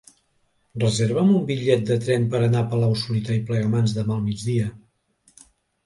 Reserva'm un bitllet de tren per anar a Palau-solità i Plegamans demà al migdia.